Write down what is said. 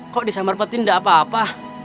kok disambar petin gak apa apa